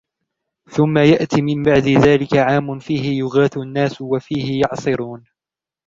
ثُمَّ يَأْتِي مِنْ بَعْدِ ذَلِكَ عَامٌ فِيهِ يُغَاثُ النَّاسُ وَفِيهِ يَعْصِرُونَ